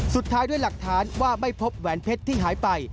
สุดท้ายด้วยหลักฐานว่าไม่พบแหวนเพชรที่หายไป